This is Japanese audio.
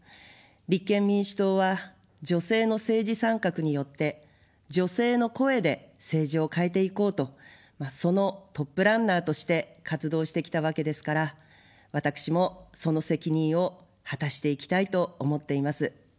立憲民主党は女性の政治参画によって女性の声で政治を変えていこうと、そのトップランナーとして活動してきたわけですから、私もその責任を果たしていきたいと思っています。